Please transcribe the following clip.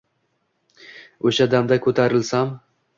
O’sha damda ko’tarilsam